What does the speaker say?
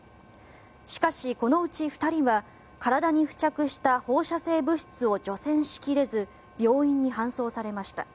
しかし、このうち２人は体に付着した放射性物質を除染しきれず病院に搬送されました。